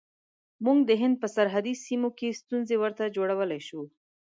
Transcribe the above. موږ د هند په سرحدي سیمو کې ستونزې ورته جوړولای شو.